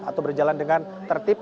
atau berjalan dengan tertib